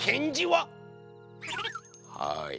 はい。